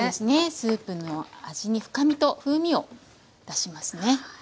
スープの味に深みと風味を出しますね。